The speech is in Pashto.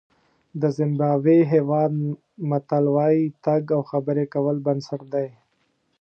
د زیمبابوې هېواد متل وایي تګ او خبرې کول بنسټ دی.